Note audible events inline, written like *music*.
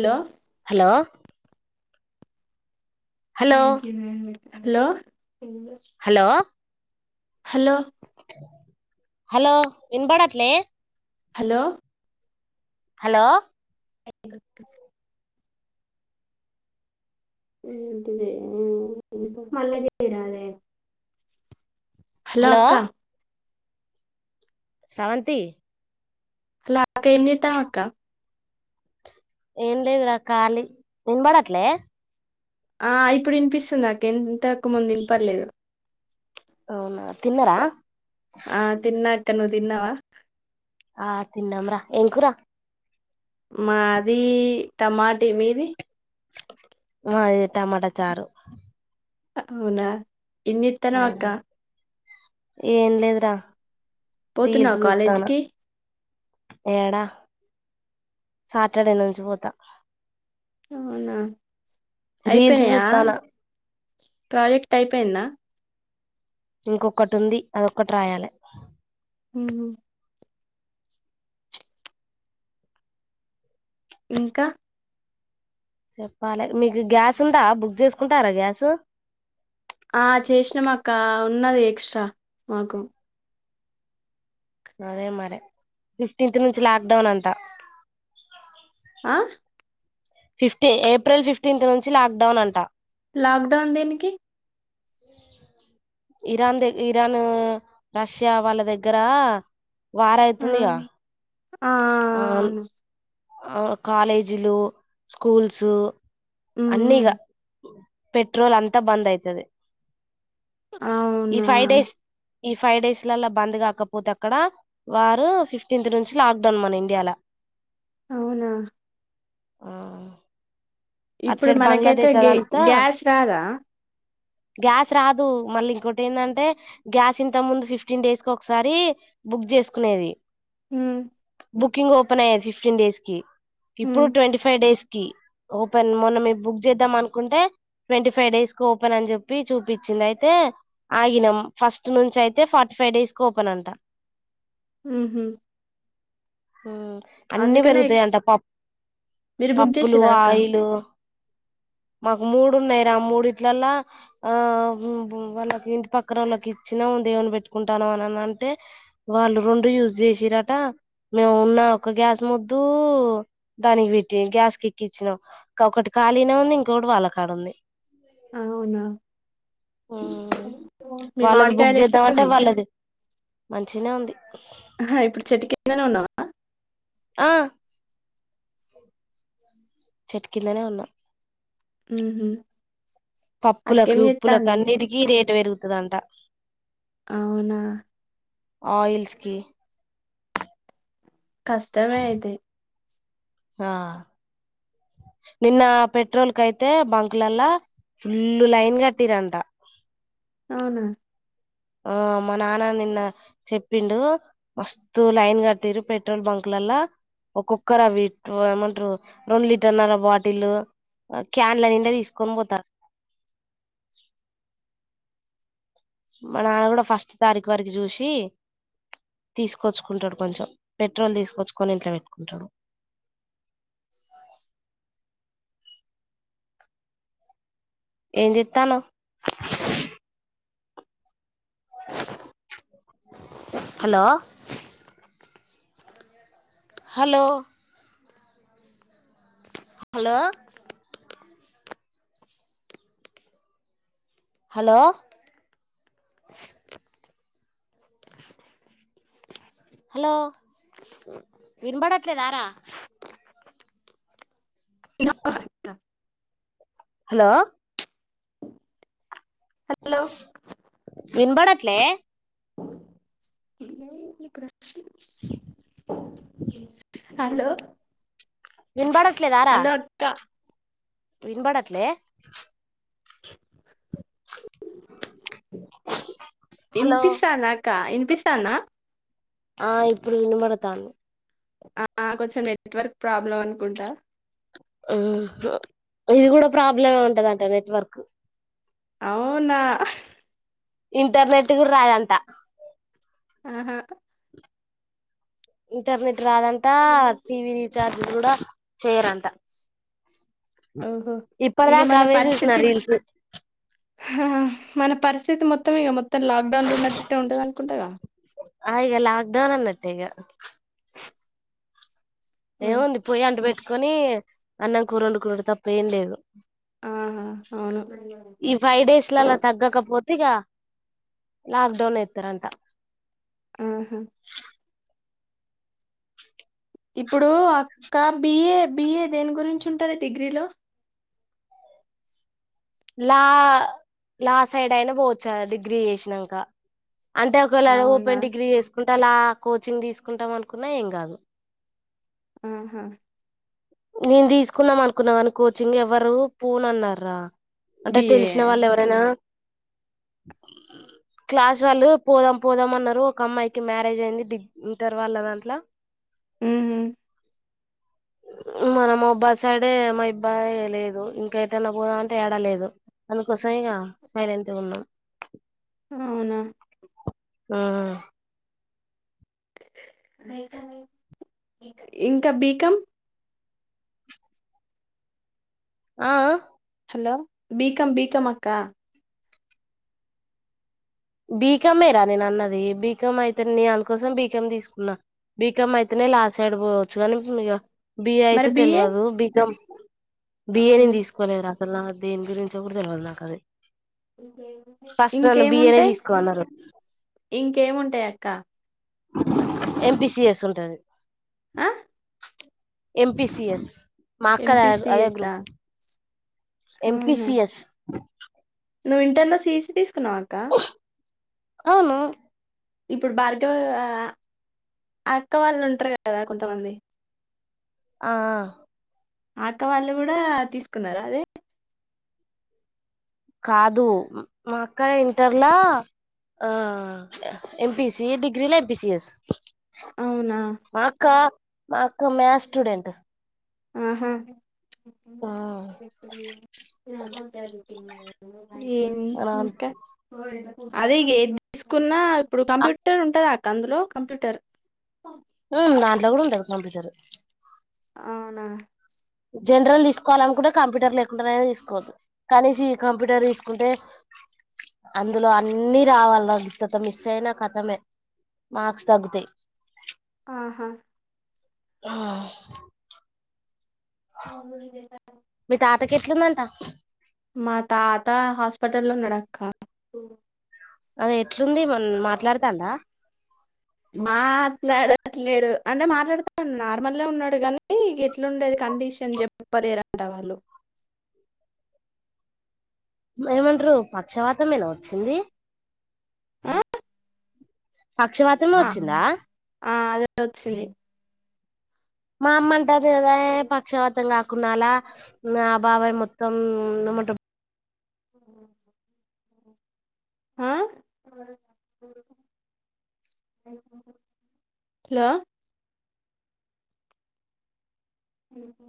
Hello లో thank you *unintelligible* hello hello hello hello ఇన్బడట్లే hello hello *unintelligible* *unintelligible* రాదే హలో అక్క స్రవంతి హలో అక్క ఏమ్ జేత్తన్నావ్ అక్క ఏం లేద్ ర ఖాళీ ఇన్బడట్లే ఆ ఇప్పుడు ఇనిపిస్తుందక్క ఇంతకు ముందు ఇన్పడ్లేదు అవునా తిన్నరా ఆ తిన్నా టన్ నువ్ తిన్నావా ఆ తిన్నాం రా ఏంకూర మాది టమాటి మీది మాది టమాటా చారు అవునా ఏం జెత్తన్నావ్ అక్క ఏం లేదు రా పోతున్నావా కాలేజ్ కి ఏడా సాటర్డే నుంచి పోతా అవునా రీల్స్ అయిపోయినాయా సూత్తాన్నా ప్రాజెక్ట్ అయిపోయిందా ఇంకొక్కటి ఉంది అదొక్కటి రాయాలె హ్మ్ హు ఇంకా చెప్పాలె మీకు గ్యాస్ ఉందా బుక్ చేసుకుంటారా గ్యాసు ఇస్సా మాకు అదే మరే ఫిఫ్టీన్త్ నుంచి లాక్డౌన్ అంట ఆ ఫిఫ్టీ ఏప్రెల్ ఫిఫ్టీన్త్ నుంచి లాక్ డౌన్ అంట లాక్డౌన్ దేనికి ఇరాన్ దె ఇరానూ రష్యా వాళ్ళ దగ్గరా వార్ ఆ ఐతుందిగా ఆ అవును ఆ కాలేజీలు స్కూల్స్ హ్మ్ అన్నీగా పెట్రోల్ అంతా బంద్ అయితది ఈ అవునా ఫైవ్ డేస్ ఈ ఫైవ్ డేస్ లల్లా బంద్ కాకపోతే అక్కడ వారు ఫిఫ్టీన్త్ నుంచి లాక్డౌన్ మన ఇండియా ల అవునా ఆ అటు ఇప్పుడు సైడ్ మనకైతే బంగ్లాదేశ్ గే అదంతా గ్యాస్ రాదా గ్యాస్ రాదు మళ్ళీ ఇంకోటి ఏందంటే గ్యాస్ ఇంత ముందు ఫిఫ్టీన్ డేస్ కు ఒకసారి బుక్ చేసుకునేది మ్మ్ బుకింగ్ ఓపెన్ అయ్య ఫిఫ్టీన్ డేస్ కి హ్మ్ ఇప్పుడు ట్వంటీ ఫైవ్ డేస్ కీ ఓ ట్వన్ మొన్న మేము బుక్ చేద్దాం అనుకుంటే ట్వంటీ ఫైవ్ డేస్ కి ఓపెన్ అని చెప్పి చూపిచ్చింది అయితే ఆగినం ఫస్ట్ నుంచి అయితే ఫార్టీ ఫైవ్ డేస్ కి ఓపెన్ అంట ఊహూ అన్నీ అందుకనే పెరుగుతాయి ఎక్స్ అంట పప్ మీరు బుక్ పప్పులు చేసిర్రా అక్క ఆయిల్ మాకు మూడు ఉన్నాయి రా మూడిట్లలా ఆ మ్మ్ మ్మ్ మ్మ్ వాళ్ళకి ఇంటి పక్కనోళ్ళకి ఇచ్చినాము దేవుని పెట్టుకుంటాను అనన్ అంటే వాళ్ళు రెండు యూజ్ చేసిరట మేము ఉన్న ఒక గ్యాస్ ముదు దానికి పెట్టి గ్యాస్ క ఎక్కించినాం ఇంక ఒకటి కాలినే ఉంది ఇంకొకటి వాళ్ళ కాడ ఉంది అవునా మ్మ్ మీ వాళ్ళది బుక్ మామిడికాయలు చేద్దామంటే ఎట్లున్నాయి వాళ్ళది మంచిగనే ఉంది ఇక్కడనే ఉన్నావా ఆ చెట్టు కిందనే ఉన్నా ఊహూ అక్కేం పప్పులకు ఉప్పులకు చేత్తాంది అన్నిటికీ రేటు పెరుగుతదంట అవునా ఆయిల్స్కి కష్టమే అయితే ఆ నిన్న పెట్రోల్ కయితే బంక్లలా ఫుల్లు లైన్ కట్టిరంట అవునా ఆ మా నాన్న నిన్న చెప్పిండు మస్తు లైన్ కట్టిరు పెట్రోల్ బంక్లలా ఒక్కొక్కరు అవి ఏమంటారు రెండు లీటర్న్నర బాటిల్ క్యాన్ల నిండా తీసుకొని పోతా మా నాన్న కూడా ఫస్ట్ తారీఖు వరకు చూసి తీసుకొచ్చుకుంటాడు కొంచెం పెట్రోల్ తీసుకొచ్చుకొని ఇంట్లో పెట్టుకుంటాడు ఏం చేత్తాన్నావు hello hello hello hello hello వినబడట్లేదా రా ఇనపడ్డ హలో హలో వినబడట్ లే హలో వినబడట్లేదా రా హలో అక్క వినబడట్లే ష్ హలో ఇనిపిస్తాందా అక్క ఇనిపిస్తాందా ఆ ఇప్పుడు ఇనబడుతాంది ఆ ఆ కొంచెం నెట్వర్క్ ప్రాబ్లం అనుకుంటా ఉ హు ఇది కూడా ప్రాబ్లమే ఉంటదంట నెట్వర్క్ అవునా ఇంటర్నెట్ కూడా రాదంట ఆహా ఇంటర్నెట్ రాదంట టీవీ రీచార్జ్ కూడా చేయరంట ఓహో! ఇగ ఇప్పటిదాకా అవే చూసినా రీల్స్ హా మన పరిస్థితి మొత్తం ఇగ మొత్తం లాక్డౌన్లు ఉన్నట్టే ఉంటది అనుకుంటగా ఆ ఇగ లాక్డౌన్ అన్నట్టేగా ఆ! ఏముంది పోయి అంటి పెట్ కొని అన్నం కూర వండుకొని తప్ప ఏం లేదు ఆహా! అవును. ఈ ఫైవ్ డేస్ లల్ల తగ్గకపోతే తిగా లాక్ డౌన్ ఎత్తరంట ఆహా ఇప్ ఇప్పుడు అక్క బిఏ బిఏ దేని గురించి ఉంట్టది డిగ్రీలో లా లా సైడ్ అయినా పోవచ్చుకదా డిగ్రీ చేసిన్నాక అంటే ఒకవేళ అవునా? ఓపెన్ డిగ్రీ చేసుకు అంతలా కోచింగ్ తీసుకుంటాం అనుకున్నా ఏం కాదు ఆహా నేను తీసుకుందాం అనుకున్నా కాని కోచింగ్ ఎవ్వరు పోను అన్నారురా అంటే బీఏ. తెలిసిన వాళ్ళు ఎవరైనా క్లాస్ వాళ్ళు పోదాం పోదాం అన్నారు ఒక అమ్మాయికి మ్యారేజ్ అయింది డి ఇంటర్ వాళ్ళ దాంట్ల హు హు మన మొహాబాద్ సైడే మా మయిబ్బాయి లేదు ఇంకా ఎటైనా పోదామ అంటే ఏడ లేదు అందుకోసాంగా సైలెంట్ ఉన్నా అవునా ఉమ్ ఇంకా బీకాం ఆ ఆ హలో బీకమ్ బీకమ్ అక్క బీకామే రా నేను అన్నది బీకమ్ అయితే నే అందుకోసం బీకామ్ తీసుకున్నా బీకామ్ అయితేనే లాస్ట్ అడ్పోవచ్చు కానీ బిఏ మరి అయితే బిఏ తెలియదు బీకమ్ అవును బియయానీని తీసుకోలేదు రా అసలు దేని గురించి ఎప్పురు తెలియాలదు నాకు అది ఫస్ట్ నన్ను బిఏనే ఇంకేముంటాయి తీసుకోన్నారు ఇంకేముంటాయా అ కా ఎంపి సిఎస్ ఉంటది ఆ ఎంపీ సిఎస్ మాక్కడ అదే ఎంపీసిఎసా గ్రూపు ఎంపీ అవునా సిఎస్ నువ్వు ఇంటర్ ను సీసి తీసు న్నావా అక్క అవును ఇప్పుడు భార్గ అక్క వాళ్ళు ఉంటారు కదా కొంతమంది ఆ అక్క వాళ్ళు కూడా తీసుకున్నార అదే కాదు మా అక్క ఇంటర్లా ఆ ఎం పి సి డిగ్రీలో ఎం పి సి ఎస్ అవునా ఆ అక్క మా అక్క మ్యాస్ స్టూడెంట్ మ్మ్ హు *inaudible* ఏం మన ఇంకా అదే ఇగ ఏది తీసుకున్నా ఇప్పుడు కంప్యూటర్ ఉంటద *unintelligible* అందులో కంప్యూటర్ ఉ దాంట్లో కూడా ఉంటది కంప్యూటర్ అవునా జెనరల్ తీసుకోవాలనుకుంటే కంప్యూటర్ లేకుండానే తీసుకోవచ్చు కానీ కంప్యూటర్ తీసుకుంటే అందులో అన్నీ రావాల కొత్త మిస్ అయిన కతమే మార్క్స్ తగ్గుతాయి ఆహా ఆ మాముల్గేన కేట్లుదంట మా తాత హాస్పిటల్లో ఉన్నడక్కా అదే ఎట్లుంది మ మాట్లాడతాండ మాట్లాడట్లేడు అంటే మాట్లాడుతా నార్మల్ ఉన్నాడు కానీ ఎట్లుండేది కండిషన్ చెప్పరంట వాళ్ళు ఏమంటారు పక్షవాతం ఏనా వచ్చింది ఆ పక్షవాతమే ఆ వచ్చిందా ఆ అదే వచ్చింది మామల్ టాది గదా ఏ పక్షపాతంగా కున్నలా నా బాబాయ్ మొత్తం *inaudible* ఆ హలో హుమ్